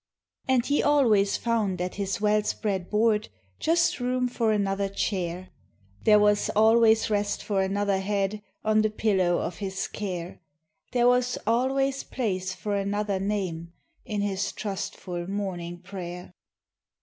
And he always found at his well spread board Just room for another chair; There was always rest for another head On the pillow of his care; There was always place for another name In his trustful morning prayer.